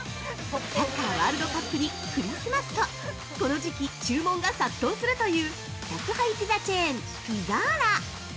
サッカーワールドカップにクリスマスとこの時期、注文が殺到するという宅配ピザチェーン・ピザーラ。